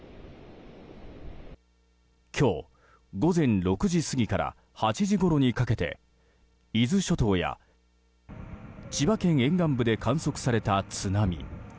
今日午前６時過ぎから８時ごろにかけて伊豆諸島や千葉県沿岸部で観測された津波。